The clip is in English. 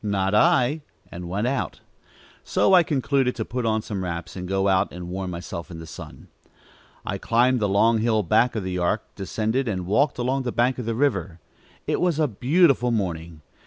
Not I!" and went out. So I concluded to put on some wraps and go out and warm myself in the sun. I climbed the long hill back of the Ark, descended, and walked along the bank of the river. It was a beautiful morning.